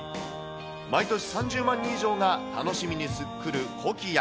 毎年３０万人以上が楽しみに来るコキア。